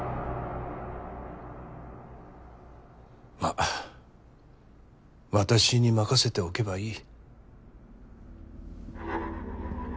まあ私に任せておけばいい。